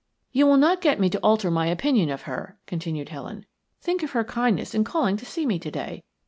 "You will not get me to alter my opinion of her," continued Helen. "Think of her kindness in calling to see me to day.